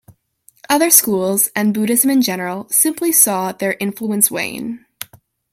Other schools, and Buddhism in general, simply saw their influence wane.